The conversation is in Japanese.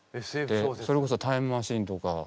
それこそタイムマシーンとか。